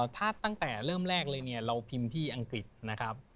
ถ้าตั้งแต่เริ่มแรกเลยเนี่ยเราพิมพ์ที่อังกฤษนะครับ